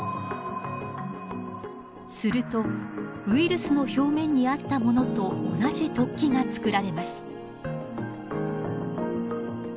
するとウイルスの表面にあったものと同じ突起が作られます。